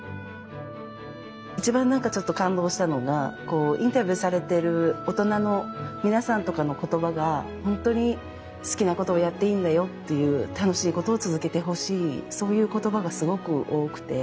一番何かちょっと感動したのがこうインタビューされてる大人の皆さんとかの言葉が本当に好きなことをやっていいんだよっていう楽しいことを続けてほしいそういう言葉がすごく多くて。